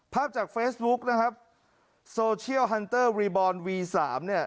ภาพจากเฟซบุ๊กนะครับโซเชียลฮันเตอร์รีบบอลวีสามเนี่ย